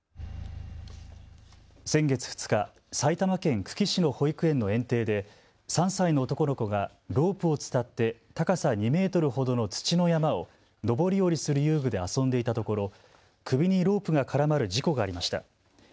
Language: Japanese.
先月２日、埼玉県久喜市の保育園の園庭で３歳の男の子がロープを伝って高さ２メートルほどの土の山を上り下りする遊具で遊んでいたところ首にロープが絡まる事故がありました。